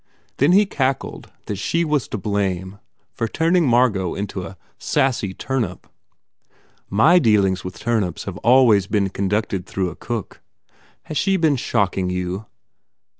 Then he cackled that she was to blame for turning Margot into a "sassy turnip." "My dealings with turnips have always been conducted through a cook. Has she been shock ing you?"